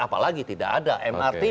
apalagi tidak ada mrt